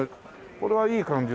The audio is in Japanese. これはいい感じの。